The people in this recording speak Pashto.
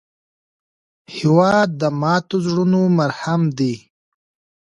هېواد د ماتو زړونو مرهم دی.